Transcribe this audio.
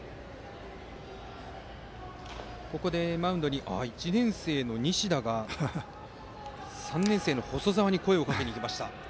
ここでマウンドに１年生の西田が３年生の細澤に声をかけに行きました。